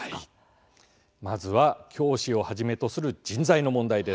まずは、教師をはじめとする人材の問題です。